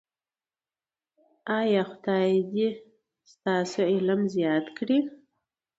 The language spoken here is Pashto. ایا خدای دې ستاسو علم زیات کړي؟